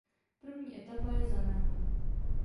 První etapa je za námi.